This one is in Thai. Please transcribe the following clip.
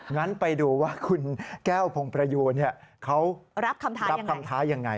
งั้นไปดูว่าคุณแก้วพงษ์ประยูนเขารับคำท้ายังไง